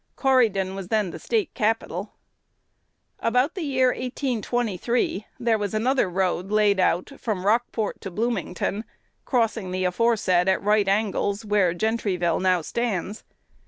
Corydon was then the State capital. "About the year 1823, there was another road laid out from Rockport to Bloomington, crossing the aforesaid at right angles, where Gentryville now stands.